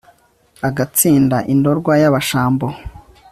agatsinda i ndorwa y'abashambo